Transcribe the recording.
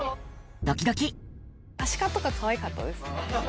アシカとかかわいかったです。